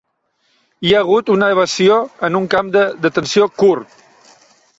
Hi ha hagut una evasió en un camp de detenció Kurd